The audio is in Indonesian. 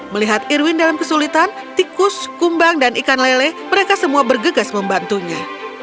melihat irwin dalam kesulitan tikus kumbang dan ikan lele mereka semua bergegas membantunya